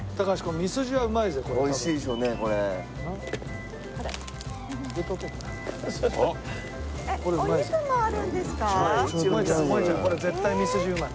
ミスジ絶対うまい。